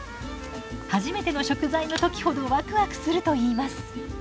初めての食材の時ほどワクワクするといいます。